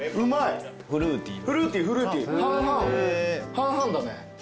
半々だね。